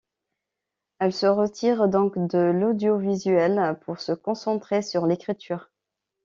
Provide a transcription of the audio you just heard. Elle se retire donc de l'audiovisuel pour se concentrer sur l'écriture.